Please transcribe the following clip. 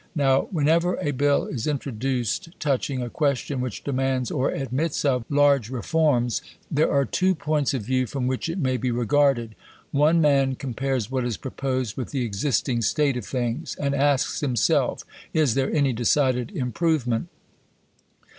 Now, whenever a Bill is introduced touching a question which demands, or admits of, large reforms, there are two points of view from which it may be regarded. One man compares what is proposed with the existing state of things, and asks himself, Is there any decided improvement?